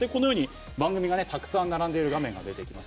番組がたくさん並んでいる画面が出てきます。